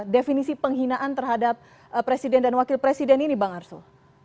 definisi penghinaan terhadap presiden dan wakil presiden ini bang arsul